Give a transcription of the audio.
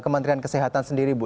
kementerian kesehatan sendiri ibu